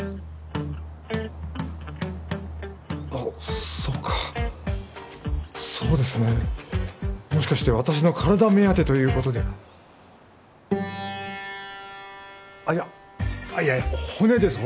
あっそうかそうですねもしかして私の体目当てということではあっいやいや骨です